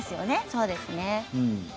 そうですね。